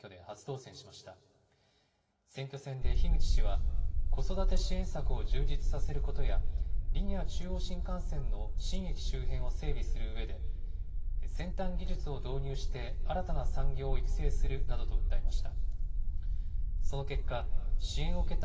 選挙戦で樋口氏は、子育て支援策を充実させることや、リニア中央新幹線の新駅周辺を整備するうえで、先端技術を導入して、新たな産業を育成するなどと訴えました。